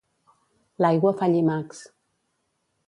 L'aigua fa llimacs.